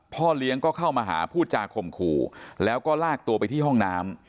พ่อเลี้ยงก็เข้ามาหาพูดจาข่มขู่แล้วก็ลากตัวไปที่ห้องน้ำ